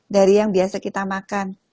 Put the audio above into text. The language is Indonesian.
dari yang biasa kita makan